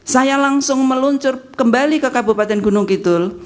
saya langsung meluncur kembali ke kabupaten gunung kidul